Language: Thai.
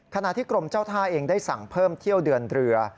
ขณะที่กรมเจ้าท่าเองได้สั่งเพิ่มเที่ยวเดือนเรือ